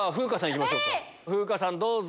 風花さんどうぞ。